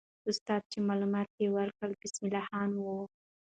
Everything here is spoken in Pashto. استاد چې معلومات یې ورکړل، بسم الله خان وو.